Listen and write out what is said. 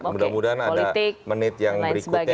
mudah mudahan ada menit yang berikutnya